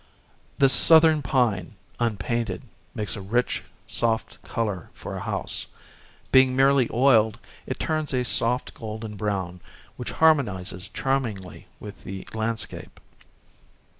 This southern pine, unpainted, makes a rich, soft color for a house. Being merely oiled, it turns a soft golden brown, which harmonizes charmingly with the landscape.